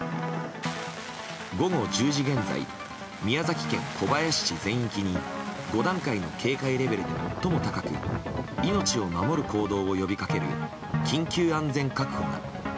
午後１０時現在宮崎県小林市全域に５段階の警戒レベルで最も高く命を守る行動を呼びかける緊急安全確保が。